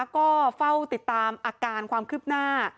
ก็เฝ้าติดตามอาการความคืบหน้า